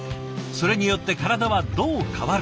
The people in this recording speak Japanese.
それによって体はどう変わるか。